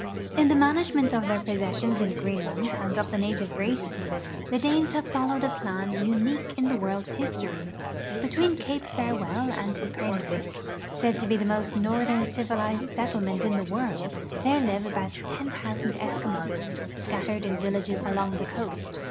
In the management of their jjossessions in Greenland and of the native races, the Danes have followed a plan unicpie in the world's history. Between Cape Farewell and Upernivik, said to be the most northern civilized settlement in tlie world, there live about 10.( X K) Eskimos, scattered in villages along the coast.